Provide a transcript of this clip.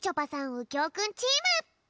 うきょうくんチーム！